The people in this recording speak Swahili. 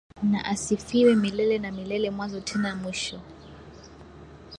Na asifiwe milele na milele mwanzo tena mwisho.